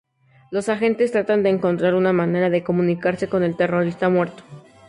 Los agentes tratan de encontrar una manera de comunicarse con el terrorista muerto.